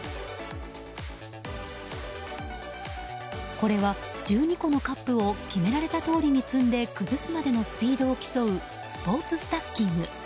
これは１２個のカップを決められたとおりに積んで崩すスピードを競うスポーツスタッキング。